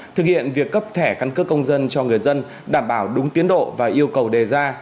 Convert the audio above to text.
thực hiện việc cấp thẻ căn cước công dân cho người dân đảm bảo đúng tiến độ và yêu cầu đề ra